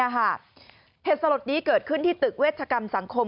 เหตุสลดนี้เกิดขึ้นที่ตึกเวชกรรมสังคม